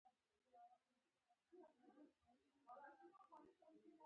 دا اصل په لاندې نظم کې ډېر ښه بيان شوی دی.